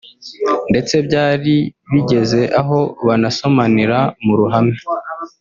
ndetse byari bigeze aho banasomanira mu ruhame